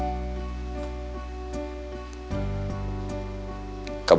aku hanya berharap